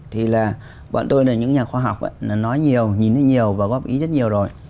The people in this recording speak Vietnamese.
thì là bọn tôi là những nhà khoa học nói nhiều nhìn thấy nhiều và góp ý rất nhiều rồi